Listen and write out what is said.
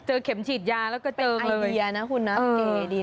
เจอเข็มฉีดยาแล้วก็เจอเลยเป็นไอเดียนะคุณนะเก๋ดีนะ